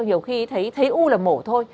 hiều khi thấy u là mổ thôi